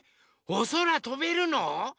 おそらとべるの？